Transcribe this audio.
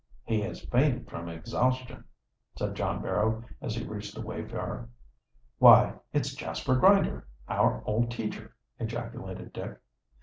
"He has fainted from exhaustion," said John Barrow, as he reached the wayfarer. "Why, it's Jasper Grinder, our old teacher," ejaculated Dick.